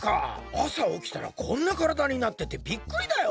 あさおきたらこんなからだになっててびっくりだよ。